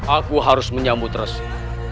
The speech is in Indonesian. aku harus menyambut resi